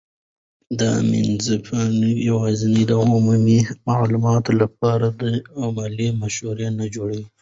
دا مینځپانګه یوازې د عمومي معلوماتو لپاره ده او مالي مشوره نه جوړوي.